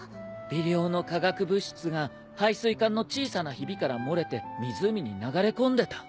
微量の化学物質が配水管の小さなひびから漏れて湖に流れ込んでた。